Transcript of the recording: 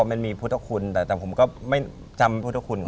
มันเยอะไปหรอ